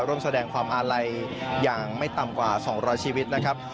ร่วมแสดงความอาลัยอย่างไม่ต่ำกว่า๒๐๐ชีวิตนะครับ